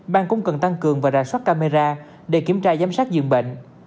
bang cũng cần tăng cường và rà soát camera để kiểm tra giám sát dường bệnh